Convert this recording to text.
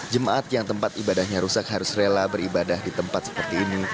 jemaat yang tempat ibadahnya rusak harus rela beribadah di tempat seperti ini